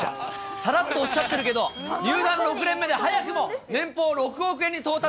さらっとおっしゃってるけど、入団６年目で早くも年俸６億円に到達。